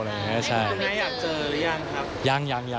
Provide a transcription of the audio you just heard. แม่อยากเจอหรือยังครับ